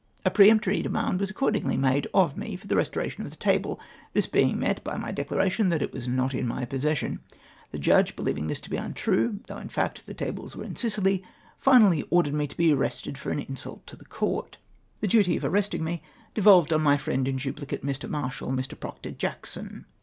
A peremptory demand was accordingly made of me for the restoration of the table, this beins[ met by my declaration that it was not in my possession. The Judge, beheving this to be untrue, though in fact the tables were m Sicily, finally ordered me to be arrested for an insult to the Court ! The duty of arresting me devolved on my friend in duplicate, Mr. Marshal Mr. Proctor Jackson.